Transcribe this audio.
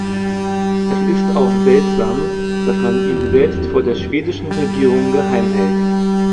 Es ist auch seltsam, dass man ihn selbst vor der schwedischen Regierung geheim hält.